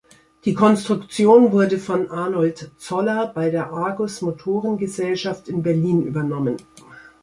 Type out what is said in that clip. Die Konstruktion wurde von Arnold Zoller bei der Argus Motoren Gesellschaft in Berlin übernommen.